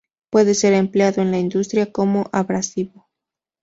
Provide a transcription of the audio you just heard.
Puede ser empleado en la industria como abrasivo.